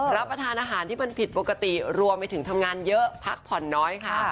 รับประทานอาหารที่มันผิดปกติรวมไปถึงทำงานเยอะพักผ่อนน้อยค่ะ